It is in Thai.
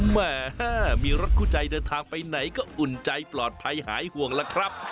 แหมมีรถคู่ใจเดินทางไปไหนก็อุ่นใจปลอดภัยหายห่วงล่ะครับ